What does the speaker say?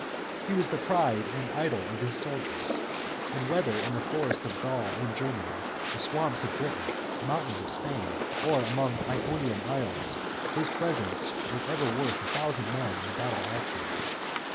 He was the pride and idol of his soldiers, and whether in the forests of Gaul and Germany, the swamps of Britain, mountains of Spain, or among Ionian isles, his presence was ever worth a thousand men in battle action.